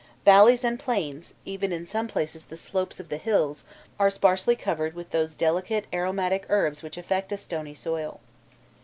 Valleys and plains, even in some places the slopes of the hills, are sparsely covered with those delicate aromatic herbs which affect a stony soil.